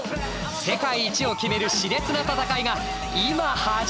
世界一を決めるしれつな戦いが今始まる！